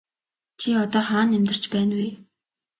Чи одоо хаана амьдарч байна вэ?